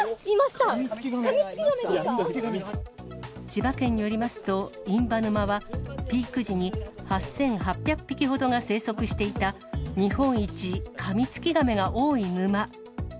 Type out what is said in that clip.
千葉県によりますと、印旛沼は、ピーク時に８８００匹ほどが生息していた日本一カミツキガメが多い沼。